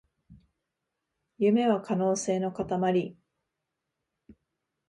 夢は可能性のかたまり